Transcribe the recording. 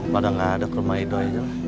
padahal gak ada kerumah idoy